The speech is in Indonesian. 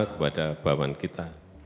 kepada bawahan kita